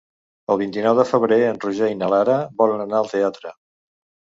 El vint-i-nou de febrer en Roger i na Lara volen anar al teatre.